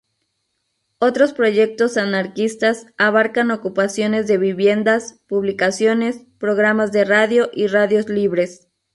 Otros proyectos anarquistas abarcan ocupaciones de viviendas, publicaciones, programas de radio y radios libres.